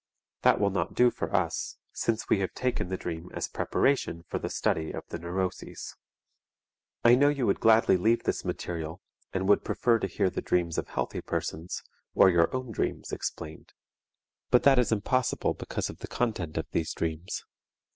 That will not do for us, since we have taken the dream as preparation for the study of the neuroses. I know you would gladly leave this material, and would prefer to hear the dreams of healthy persons, or your own dreams explained. But that is impossible because of the content of these dreams.